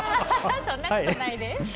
そんなことないです。